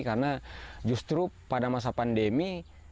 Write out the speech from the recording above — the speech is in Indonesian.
karena justru pada masa pandemi